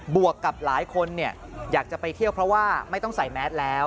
วกกับหลายคนอยากจะไปเที่ยวเพราะว่าไม่ต้องใส่แมสแล้ว